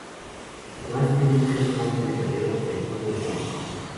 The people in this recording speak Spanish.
Además, tiene muchos fans metaleros del todo el mundo.